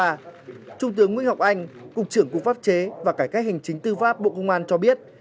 trung tướng nguyễn ngọc anh cục trưởng cục pháp chế và cải cách hành chính tư pháp bộ công an cho biết